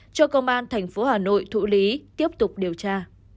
cho công an tp hà nội thủ lý tiếp tục điều tra